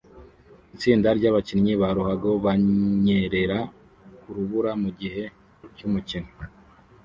Itsinda ryabakinnyi ba ruhago banyerera kurubura mugihe cyumukino